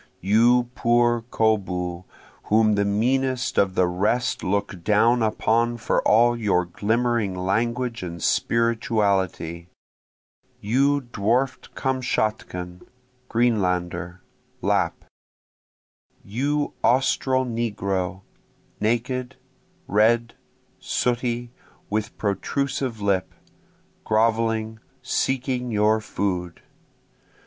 You poor koboo whom the meanest of the rest look down upon for all your glimmering language and spirituality! You dwarf'd Kamtschatkan, Greenlander, Lapp! You Austral negro, naked, red, sooty, with protrusive lip, groveling, seeking your food!